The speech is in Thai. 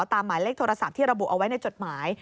หมายเลขโทรศัพท์ที่ระบุเอาไว้ในจดหมาย